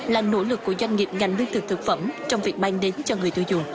là nỗ lực của doanh nghiệp ngành lương thực thực phẩm trong việc mang đến cho người tiêu dùng